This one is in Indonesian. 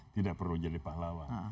tidak perlu jadi pahlawan